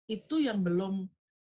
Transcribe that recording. itu yang belum